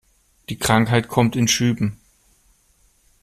Die Krankheit kommt in Schüben.